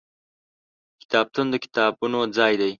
کتابتون د کتابونو ځای دی.